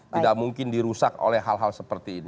tidak mungkin dirusak oleh hal hal seperti ini